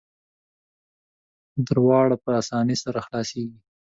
دروازه په اسانۍ سره خلاصیږي.